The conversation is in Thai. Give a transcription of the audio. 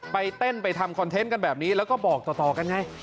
ไปเต้นไปทำคอนเทนต์กันแบบนี้แล้วก็บอกต่อกันไง